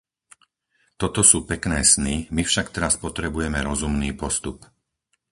Toto sú pekné sny, my však teraz potrebujeme rozumný postup.